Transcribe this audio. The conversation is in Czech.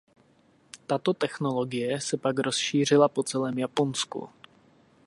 Tato technologie se pak rozšířila po celém Japonsku.